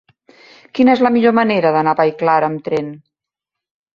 Quina és la millor manera d'anar a Vallclara amb tren?